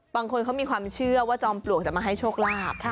บางคนเขามีความเชื่อว่าจอมปลวกจะมาให้โชคลาภ